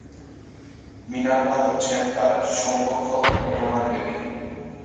Minerva হচ্ছেন তার সমকক্ষ রোমান দেবী।